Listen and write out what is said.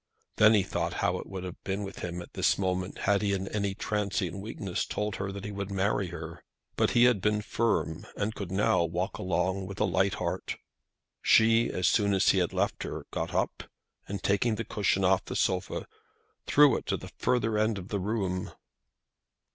Then he thought how it would have been with him at this moment had he in any transient weakness told her that he would marry her. But he had been firm, and could now walk along with a light heart. She, as soon as he had left her, got up, and taking the cushion off the sofa, threw it to the further end of the room.